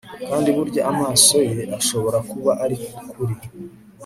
Kandi burya amaso ye ashobora kuba ari ukuri